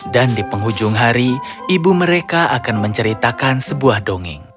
dan di penghujung hari ibu mereka akan menceritakan sebuah dongeng